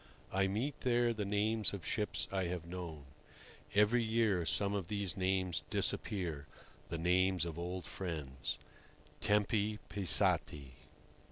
I meet there the names of ships I have known. Every year some of these names disappear—the names of old friends. "Tempi passati!"